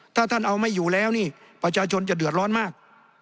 ถ้าท่านเอาไม่อยู่แล้วนี่ประชาชนจะเดือดร้อนมาก